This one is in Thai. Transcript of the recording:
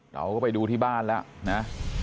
เราก็ไปดูที่บ้านแล้วนะ